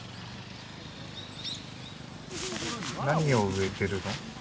何を植えてるの？